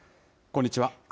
こんにちは。